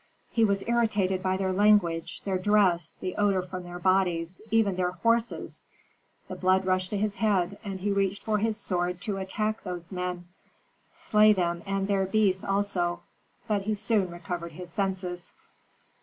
He was irritated by their language, their dress, the odor from their bodies, even their horses. The blood rushed to his head, and he reached for his sword to attack those men slay them and their beasts also. But soon he recovered his senses.